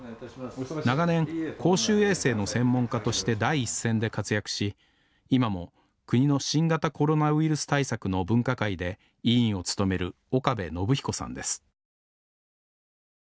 長年公衆衛生の専門家として第一線で活躍し今も国の新型コロナウイルス対策の分科会で委員を務める岡部信彦さんです